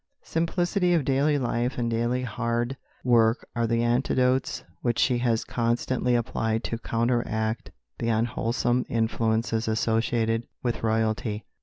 Simplicity of daily life and daily hard work are the antidotes which she has constantly applied to counteract the unwholesome influences associated with royalty.